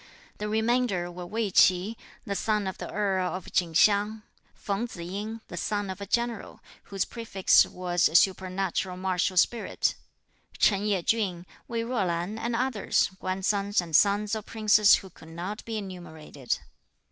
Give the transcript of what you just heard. The remainder were Wei Chi, the son of the earl of Chin Hsiang; Feng Tzu ying, the son of a general, whose prefix was supernatural martial spirit; Ch'en Yeh chün, Wei Jo lan and others, grandsons and sons of princes who could not be enumerated.